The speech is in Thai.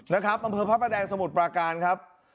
นะครับบรรพดังสมุทรปราการครับ